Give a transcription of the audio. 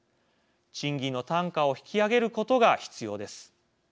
賃金の単価を引き上げることが必要です。